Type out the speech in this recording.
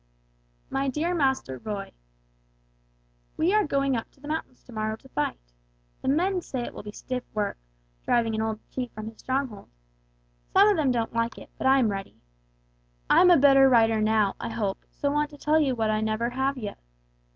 "MY DEAR MASTER ROY: "We are going up to the mountains to morrow to fight. The men say it will be stiff work, driving an old chief from his stronghold. Some of them don't like it, but I am ready. I am a better writer now, I hope, so want to tell you what I never have yet.